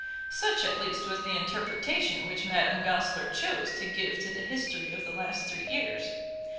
Such, at least, was the interpretation which Madame Goesler chose to give to the history of the last three years.